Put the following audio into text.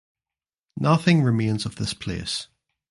Nothing remains of this place.